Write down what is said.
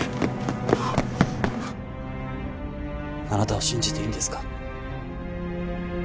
あなたを信じていいんですか？